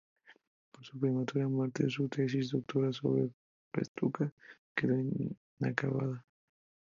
Por su prematura muerte, su tesis doctoral sobre "Festuca" quedó inacabada.